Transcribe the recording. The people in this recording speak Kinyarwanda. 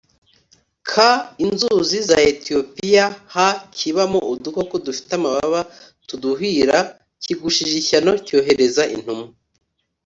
K inzuzi za etiyopiya h kibamo udukoko dufite amababa tuduhira kigushije ishyano cyohereza intumwa